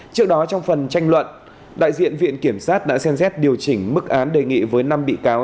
trước đó trong phần tranh luận đại diện viện kiểm sát đã xem xét điều chỉnh mức án đề nghị với năm bị cáo